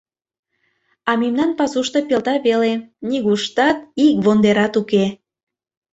А мемнан пасушто пелта веле, нигуштат ик вондерат уке...